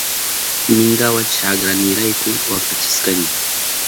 Minkawa chakraynirayku waktachishkani.